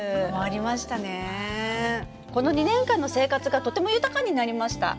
この２年間の生活がとても豊かになりました。